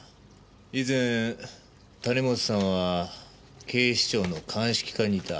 以前谷本さんは警視庁の鑑識課にいた。